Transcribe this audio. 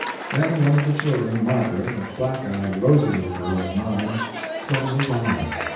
Then one of the children, Margaret, a black eyed, rosy little girl of nine, suddenly died.